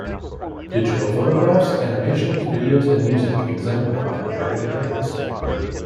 Digital photographs, animations, videos and music exemplify the target areas.